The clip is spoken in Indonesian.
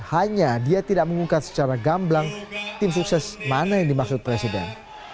hanya dia tidak mengungkap secara gamblang tim sukses mana yang dimaksud presiden